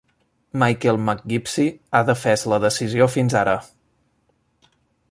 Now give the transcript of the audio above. Michael McGimpsey ha defès la decisió fins ara.